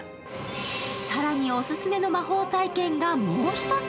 更にオススメの魔法体験がもう一つ。